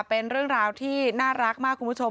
เป็นเรื่องราวที่น่ารักมากคุณผู้ชม